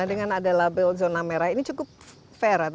dengan ada label zona merah ini cukup fair